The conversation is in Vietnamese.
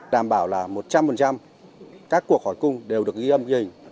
đảm bảo là một trăm linh các cuộc hỏi cung đều được ghi âm ghi hình